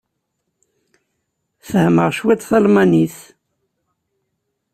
Fehhmeɣ cwiṭ talmanit.